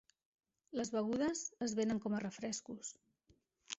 Les begudes es venen com a refrescos.